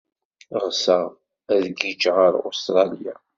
Ɣseɣ ad giǧǧeɣ ɣer Ustṛalya.